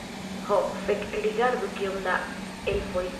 Ho, fek' rigardu kiom da elfoj